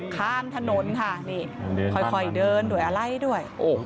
ข้ามถนนค่ะนี่ค่อยค่อยเดินด้วยอลัยด้วยโอ้โห